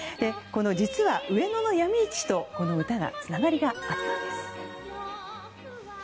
実は、上野のヤミ市とこの歌にはつながりがあったんです。